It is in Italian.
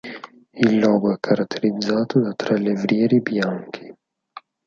Il logo è caratterizzato da tre levrieri bianchi.